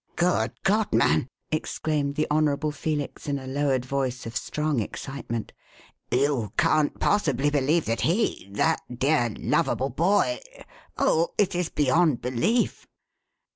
"Good God, man!" exclaimed the Honourable Felix in a lowered voice of strong excitement. "You can't possibly believe that he that dear, lovable boy Oh, it is beyond belief!"